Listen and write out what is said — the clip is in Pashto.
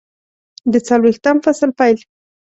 د څلویښتم فصل پیل